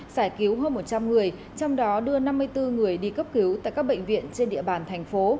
giải cứu hơn một trăm linh người trong đó đưa năm mươi bốn người đi cấp cứu tại các bệnh viện trên địa bàn thành phố